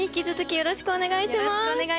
よろしくお願いします。